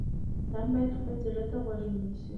انسان باید خپل زړه ته غوږ ونیسي.